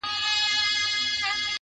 o شپې اخیستی لاره ورکه له کاروانه,